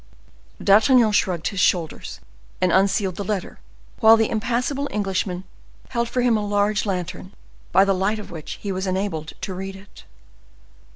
D'Artagnan shrugged his shoulders and unsealed the letter, while the impassible Englishman held for him a large lantern, by the light of which he was enabled to read it.